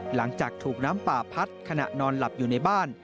หลังจากถูกน้ำป่าพัดขณะนอนหลับอยู่ในบ้าน